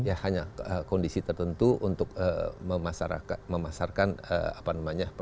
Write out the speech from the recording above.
ya hanya kondisi tertentu untuk memasarkan apa namanya